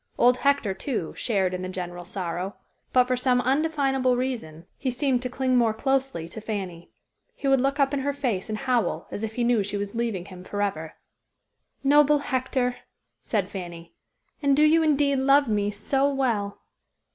Old Hector, too, shared in the general sorrow, but for some undefinable reason he seemed to cling more closely to Fanny. He would look up in her face and howl, as if he knew she was leaving him forever. "Noble Hector!" said Fanny, "and do you indeed love me so well?"